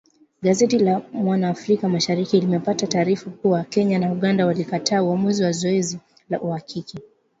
Gazeti la mwana Afrika Mashariki limepata taarifa kuwa Kenya na Uganda walikataa uamuzi wa zoezi la uhakiki.